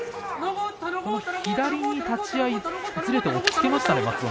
左に立ち合いずれて押っつけましたね松園。